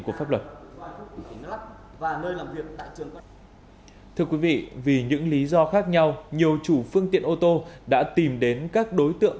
của pháp luật thưa quý vị vì những lý do khác nhau nhiều chủ phương tiện ô tô đã tìm đến các đối tượng